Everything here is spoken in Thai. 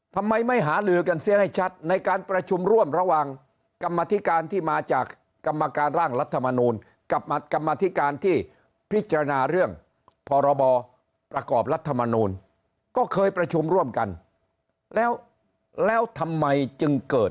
ทำไมไม่หาลือกันเสียให้ชัดในการประชุมร่วมระหว่างกรรมธิการที่มาจากกรรมการร่างรัฐมนูลกับกรรมธิการที่พิจารณาเรื่องพรบประกอบรัฐมนูลก็เคยประชุมร่วมกันแล้วแล้วทำไมจึงเกิด